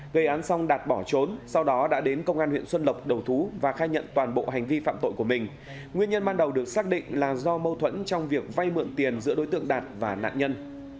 gây án xong đạt bỏ trốn sau đó đã đến công an huyện xuân lộc đầu thú và khai nhận toàn bộ hành vi phạm tội của mình nguyên nhân ban đầu được xác định là do mâu thuẫn trong việc vay mượn tiền giữa đối tượng đạt và nạn nhân